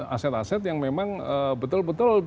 aset aset yang memang betul betul